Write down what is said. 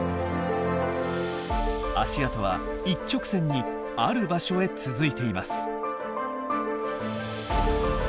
足跡は一直線にある場所へ続いています。